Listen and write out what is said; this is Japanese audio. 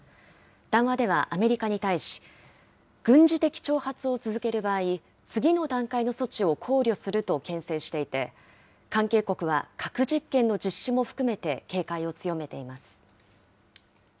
談話では、アメリカに対し、軍事的挑発を続ける場合、次の段階の措置を考慮するとけん制していて、関係国は核実験の実施も含めて警戒を強めています。